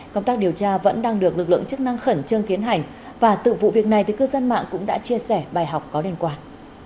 công tác điều tra vẫn đang được lực lượng chức năng khẩn trương tiến hành và từ vụ việc này thì cư dân mạng cũng đã chia sẻ bài học có liên quan